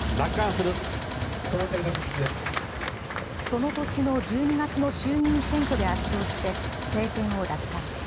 その年の１２月の衆議院選挙で圧勝して政権を奪還。